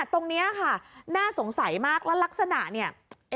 ตรงนี้ค่ะน่าสงสัยมากแล้วลักษณะเนี่ย